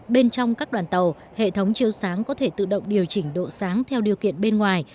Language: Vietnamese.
bên trong các đoàn tàu hệ thống chiêu sáng có thể tự động điều chỉnh độ sáng theo điều kiện bên ngoài